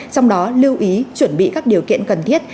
trong đó lưu ý chuẩn bị các điều kiện cần thiết